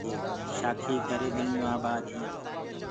شآکيٚ ڪري ٻنيونٚ آبآد هينٚ۔